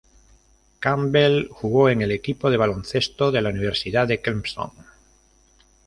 Campbell jugó en el equipo de baloncesto de la Universidad de Clemson.